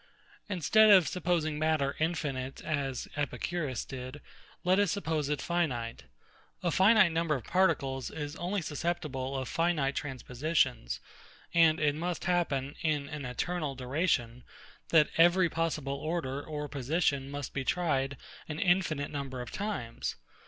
Instead of supposing matter infinite, as EPICURUS did, let us suppose it finite. A finite number of particles is only susceptible of finite transpositions: and it must happen, in an eternal duration, that every possible order or position must be tried an infinite number of times.